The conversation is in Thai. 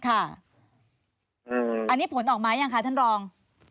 อันนี้ผลออกมายังคะท่านรอง